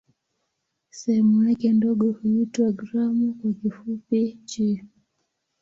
Sehemu yake ndogo huitwa "gramu" kwa kifupi "g".